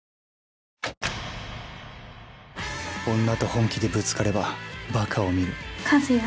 女と本気でぶつかればバカを見る。